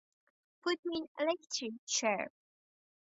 Put me in electric chair.